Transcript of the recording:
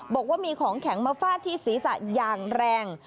บอกว่ามีของแข็งมาฟาดที่ศีรษะอย่างแรง